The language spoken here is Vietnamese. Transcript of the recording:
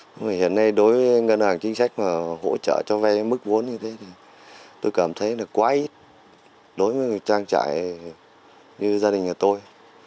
nhưng mà hiện nay đối với ngân hàng chính sách mà hỗ trợ cho vay mức vốn như thế thì tôi cảm thấy là quá ít đối với trang trại như gia đình nhà tôi